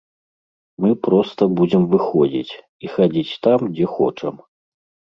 Мы проста будзем выходзіць, і хадзіць там, дзе хочам.